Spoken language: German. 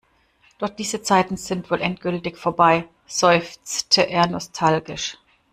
Doch diese Zeiten sind wohl endgültig vorbei, seufzte er nostalgisch.